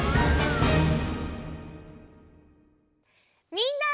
みんな！